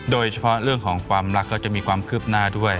โดยเฉพาะเรื่องของความรักก็จะมีความคืบหน้าด้วย